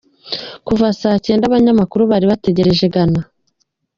Kuva saa cyenda, abanyamakuru bari bategereje Ghana.